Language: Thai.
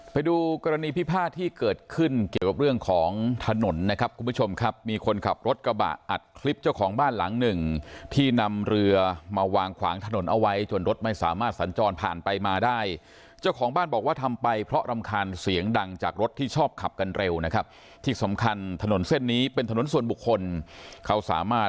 ไปดูกรณีพิพาทที่เกิดขึ้นเกี่ยวกับเรื่องของถนนนะครับคุณผู้ชมครับมีคนขับรถกระบะอัดคลิปเจ้าของบ้านหลังหนึ่งที่นำเรือมาวางขวางถนนเอาไว้จนรถไม่สามารถสัญจรผ่านไปมาได้เจ้าของบ้านบอกว่าทำไปเพราะรำคาญเสียงดังจากรถที่ชอบขับกันเร็วนะครับที่สำคัญถนนเส้นนี้เป็นถนนส่วนบุคคลเขาสามารถ